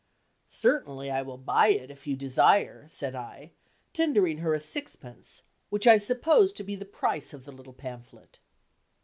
"Certainly, I will buy it, if you desire," said I, tendering her a sixpence, which I supposed to be the price of the little pamphlet.